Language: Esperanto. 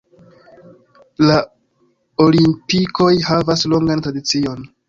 La Olimpikoj havas longan tradicion.